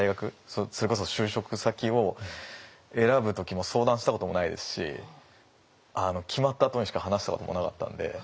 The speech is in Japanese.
それこそ就職先を選ぶ時も相談したこともないですし決まったあとにしか話したこともなかったので。